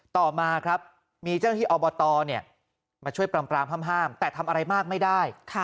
ต่อมาครับมีเจ้าหน้าที่อบตมาช่วยปรามห้ามแต่ทำอะไรมากไม่ได้